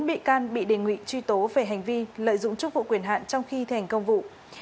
bốn bị can bị đề nghị truy tố về hành vi lợi dụng chức vụ quyền hạn trong khi thành công vụ